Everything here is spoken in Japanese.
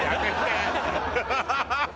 ハハハハ！